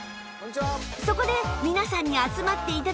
そこで皆さんに集まって頂き